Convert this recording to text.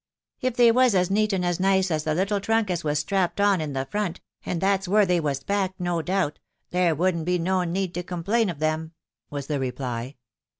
" If they was as neat and as nice as the little trunk as was strapped on in the front, and that's where they was packed, no doubt, .... there wouldn't be no need to complain of them," was the reply.